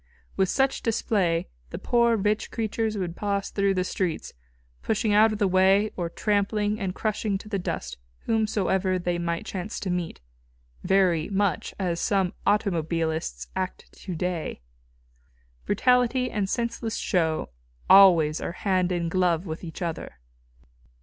With such display the poor rich creatures would pass through the streets, pushing out of the way or trampling and crushing to the dust whomsoever they might chance to meet very much as some automobilists act to day. Brutality and senseless show always are hand in glove with each other.